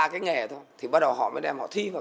ba cái nghề thôi thì bắt đầu họ mới đem họ thi vào